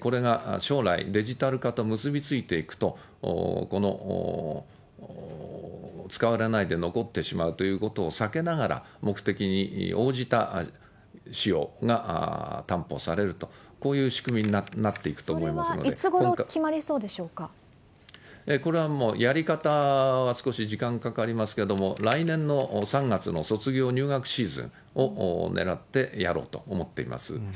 これが将来、デジタル化と結び付いていくと、この使われないで残ってしまうということを避けながら、目的に応じた使用が担保されると、こういう仕組みになっていくと思それはいつごろ決まりそうでこれはもう、やり方は少し時間かかりますけれども、来年の３月の卒業、入学シーズンを狙ってやろうと思っています。